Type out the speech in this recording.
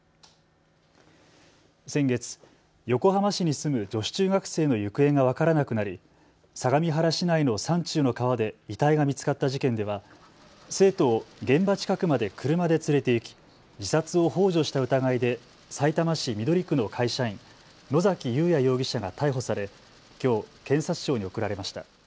先月、横浜市に住む女子中学生の行方が分からなくなり相模原市内の山中の川で遺体が見つかった事件では生徒を現場近くまで車で連れて行き自殺をほう助した疑いで、さいたま市緑区の会社員、野崎祐也容疑者が逮捕されきょう検察庁に送られました。